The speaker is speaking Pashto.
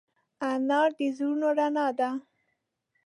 انا د زړونو رڼا ده